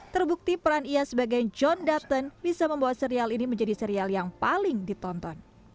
terbukti peran ia sebagai john dutton bisa membawa serial ini menjadi serial yang paling ditonton